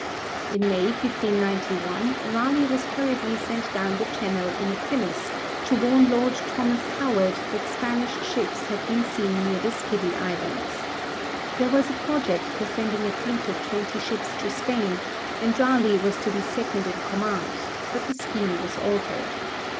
In May 1591, Raleigh was hurriedly sent down the Channel in a pinnace to warn Lord Thomas Howard that Spanish ships had been seen near the Scilly Islands. There was a project for sending a fleet of twenty ships to Spain, and Raleigh was to be second in command, but the scheme was altered.